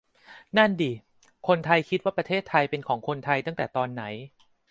นั่นดิ คนไทยคิดว่าประเทศไทยเป็นของคนไทย ตั้งแต่ตอนไหน ?